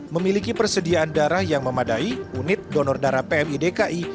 memiliki persediaan darah yang memadai unit donor darah pmidki